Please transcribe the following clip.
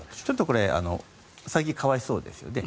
これ、ウサギが可哀想ですよね。